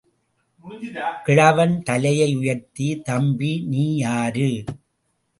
கிழவன் தலையை உயர்த்தி, தம்பி, நீ யாரு...?